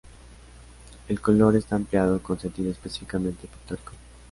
El color está empleado con sentido específicamente pictórico.